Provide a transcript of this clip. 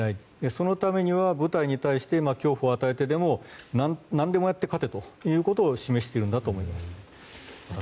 そのためには部隊に対して恐怖を与えてでも何をやってでも勝てということを示しているんだと思います。